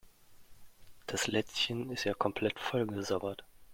Das Lätzchen ist ja komplett vollgesabbert.